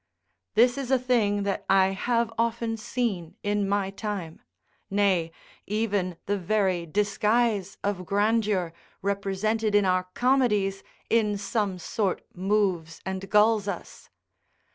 This is a thing that I have often seen in my time. Nay, even the very disguise of grandeur represented in our comedies in some sort moves and gulls us.